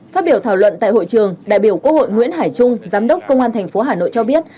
phát biểu thảo luận tại hội trường đại biểu quốc hội nguyễn hải trung giám đốc công an tp hà nội cho biết